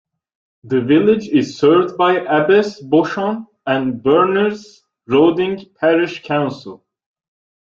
The village is served by Abbess Beauchamp and Berners Roding Parish Council.